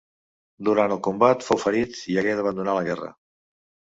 Durant el combat fou ferit i hagué d'abandonar la guerra.